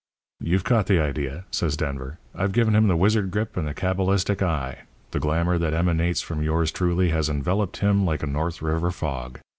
"'You've caught the idea,' says Denver. 'I've given him the wizard grip and the cabalistic eye. The glamour that emanates from yours truly has enveloped him like a North River fog.